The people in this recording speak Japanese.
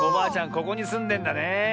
ここにすんでんだねえ。